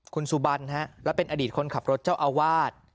คุณสุบันและเป็นอดีตคนขับรถเจ้าอาวาส